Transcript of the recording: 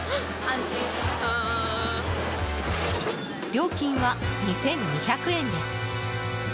料金は２２００円です。